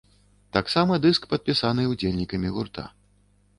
Таксама дыск падпісаны ўдзельнікамі гурта.